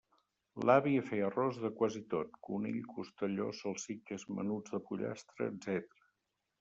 L'àvia feia arròs de quasi tot: conill, costelló, salsitxes, menuts de pollastre, etc.